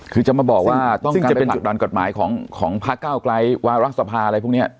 คือจะมาบอกว่าต้องการไปผลักดันกฎหมายของพระเก้าไกลวารัฐสภาอะไรพวกนี้